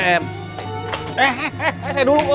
eh eh eh saya dulu bu